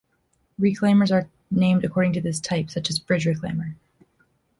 Reclaimers are named according to this type, such as "Bridge reclaimer".